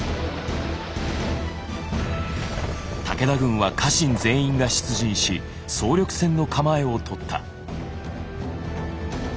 武田軍は家臣全員が出陣し総力戦の構えをとった。